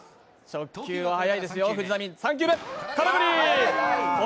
直球は速いですよ、藤浪。